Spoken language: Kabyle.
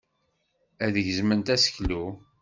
Ad gezment aseklu.